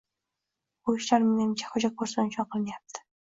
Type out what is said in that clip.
Bu ishlar, menimcha, xo‘jako‘rsin uchun qilinyapti.